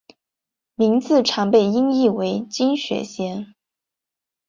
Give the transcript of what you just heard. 名字常被音译为金雪贤。